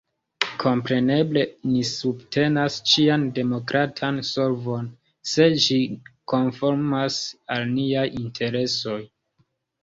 Kompreneble ni subtenas ĉian demokratan solvon, se ĝi konformas al niaj interesoj.